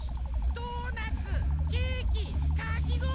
ドーナツケーキかきごおりだ！